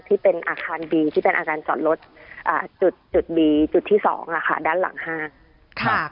ที่เป็นอาคารบีที่เป็นอาคารจอดรถจุดบีจุดที่สองอ่ะค่ะด้านหลังห้างค่ะ